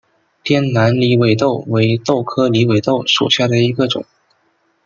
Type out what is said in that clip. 滇南狸尾豆为豆科狸尾豆属下的一个种。